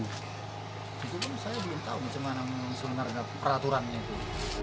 itu kan saya belum tahu bagaimana mengusul narga peraturannya itu